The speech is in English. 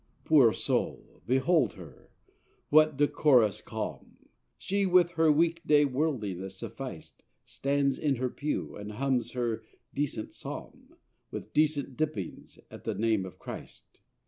Poor soul! behold her: what decorous calm! She, with her week day worldliness sufficed, Stands in her pew and hums her decent psalm With decent dippings at the name of Christ!